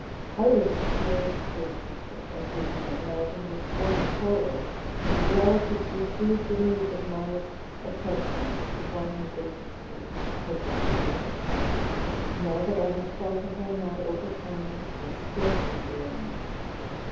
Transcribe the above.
I was a poor school teacher, and you may imagine with what horror his relatives received the news of Miles's attentions to one whom they considered his inferior. Now that I have thought the whole matter over calmly, I scarcely blame them.